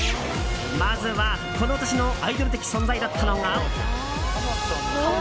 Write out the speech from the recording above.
まずは、この年のアイドル的存在だったのが。